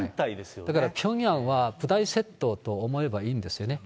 だからピョンヤンは舞台セットと思えばいいんですよね。